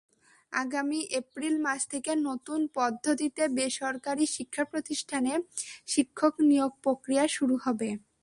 আগামী এপ্রিল মাস থেকে নতুন পদ্ধতিতে বেসরকারি শিক্ষাপ্রতিষ্ঠানে শিক্ষক নিয়োগ-প্রক্রিয়া শুরু হবে।